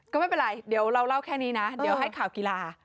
ก็ไม่เป็นไรเดี๋ยวเราเล่าแค่นี้นะเดี๋ยวให้ข่าวกีฬา